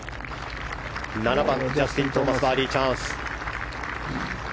７番ジャスティン・トーマスバーディーチャンス。